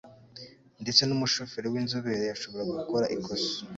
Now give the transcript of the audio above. Ndetse numushoferi winzobere ashobora gukora ikosa.